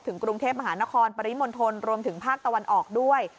ถึงคุรุมเทพภาษณะคอนปริมณฑรรวมถึงภาคตะวันออกด้วย